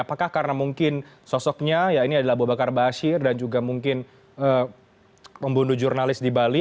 apakah karena mungkin sosoknya ya ini adalah abu bakar bashir dan juga mungkin pembunuh jurnalis di bali